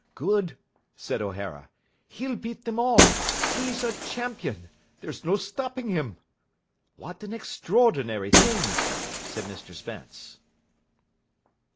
"Good?" said O'Hara. "He'll beat them all. He's a champion. There's no stopping him." "What an extraordinary thing!" said Mr Spence.